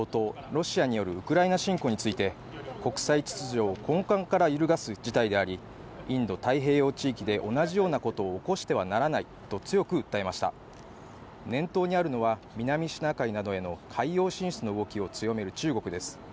ロシアによるウクライナ侵攻について国際秩序を根幹から揺るがす事態でありインド太平洋地域で同じようなことを起こしてはならないと強く訴えました念頭にあるのは南シナ海などへの海洋進出の動きを強める中国です